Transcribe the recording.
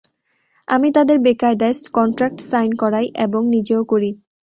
আমি তাদের বেকায়দায় contract sign করাই, এবং নিজেও করি।